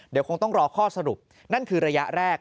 เดี๋ยวคงต้องรอข้อสรุปนั่นคือระยะแรก